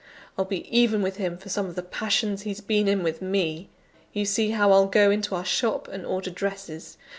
I'll be even with him for some of the passions he's been in with me. You see how I'll go into our shop and order dresses!